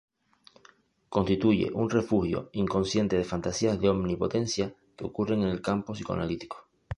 Constituye un refugio inconsciente de fantasías de omnipotencia que ocurren en el campo psicoanalítico.